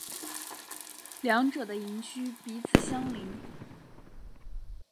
两者的营区彼此相邻。